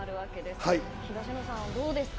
東野さん、どうですか